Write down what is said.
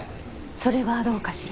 それはどうかしら？